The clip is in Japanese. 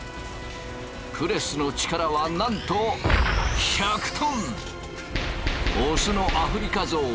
プレスの力はなんとオスのアフリカゾウ